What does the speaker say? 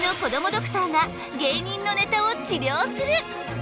ドクターが芸人のネタを治りょうする！